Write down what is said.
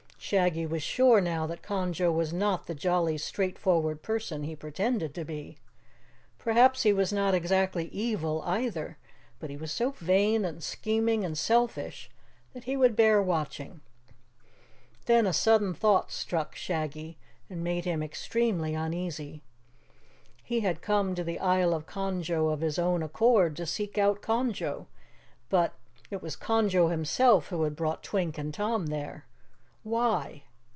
Shaggy was sure now that Conjo was not the jolly, straightforward person he pretended to be. Perhaps he was not exactly evil, either, but he was so vain and scheming and selfish that he would bear watching. Then a sudden thought struck Shaggy and made him extremely uneasy. He had come to the Isle of Conjo of his own accord to seek out Conjo. But it was Conjo himself who had brought Twink and Tom there. Why?